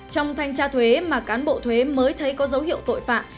trong thanh tra thuế mà cán bộ thuế mới thấy có dấu hiệu tội phạm